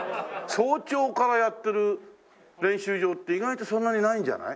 早朝からやってる練習場って意外とそんなにないんじゃない？